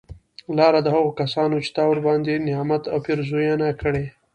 لاره د هغه کسانو چې تا ورباندي نعمت او پیرزونه کړي